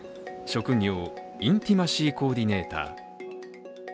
職業、インティマシー・コーディネーター。